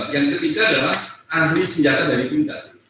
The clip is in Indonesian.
yang ketiga adalah ahli senjata dari pindad